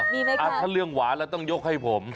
มีไหมครับอาจถ้าเรื่องหวานแล้วต้องยกให้ผม